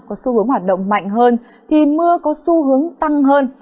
có xu hướng hoạt động mạnh hơn thì mưa có xu hướng tăng hơn